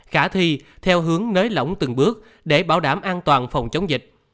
khả thi theo hướng nới lỏng từng bước để bảo đảm an toàn phòng chống dịch